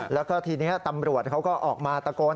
แล้วก็ทีนี้ตำรวจเขาก็ออกมาตะโกน